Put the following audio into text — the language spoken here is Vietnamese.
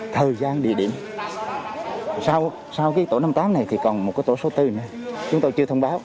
thời gian địa điểm sau cái tổ năm tám này thì còn một cái tổ số bốn nữa chúng tôi chưa thông báo